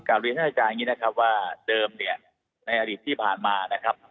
เรียนท่านอาจารย์อย่างนี้นะครับว่าเดิมเนี่ยในอดีตที่ผ่านมานะครับ